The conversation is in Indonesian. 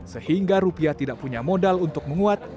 sehingga rupiah tidak punya modal untuk menguat